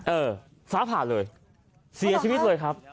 เออฟ้าผ่าเลยเสียชีวิตเลยครับ